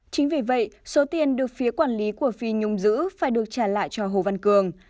chính vì vậy số tiền được phía quản lý của phi nhung giữ phải được trả lại cho hồ văn cường